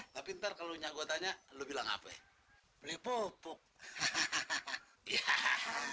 tapi ntar kalau nyangkutannya lo bilang apa ya beli pupuk hahaha iya